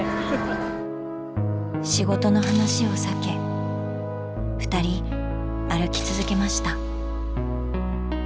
仕事の話を避けふたり歩き続けました。